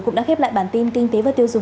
cũng đã khép lại bản tin kinh tế và tiêu dùng